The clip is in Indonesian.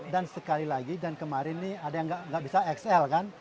dan sekali lagi dan kemarin ini ada yang tidak bisa excel kan